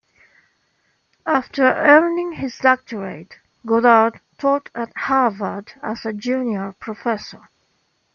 After earning his doctorate, Goddard taught at Harvard as a junior professor.